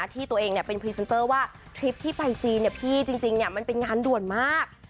ที่ตัวเองเป็นพรีเซนเตอร์ว่าทริปที่ไปจีนพี่จริงมันเป็นงานด่วนมาก